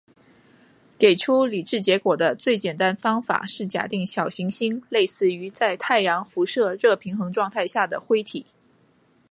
给出理智结果的最简单方法是假定小行星类似于在太阳辐射热平衡状态下的灰体。